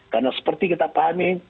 karena seperti kita pahami